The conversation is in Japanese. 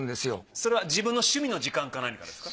それは自分の趣味の時間か何かですか？